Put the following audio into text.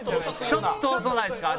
ちょっと遅ないですか？